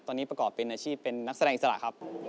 น้องคู่เหรอครับน้องคู่ครับ